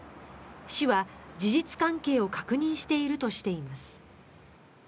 市は、事実関係を確認しているとしています。